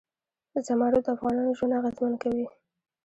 زمرد د افغانانو ژوند اغېزمن کوي.